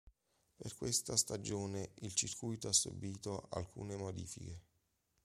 Per questa stagione il circuito ha subito alcune modifiche.